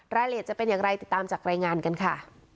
รายละเอียดจะเป็นอย่างไรติดตามจากรายงานกันค่ะ